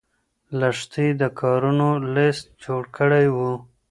لښتې د کارونو لست جوړ کړی و.